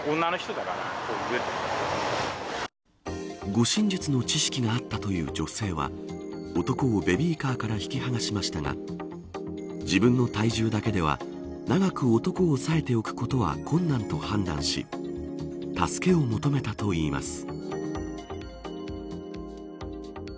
護身術の知識があったという女性は男をベビーカーから引き剥がしましたが自分の体重だけでは長く男を押さえておくことは困難と判断し助けを求めたといいます。